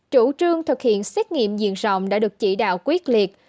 chủ trương thực hiện xét nghiệm diện rộng đã được chỉ đạo quyết liệt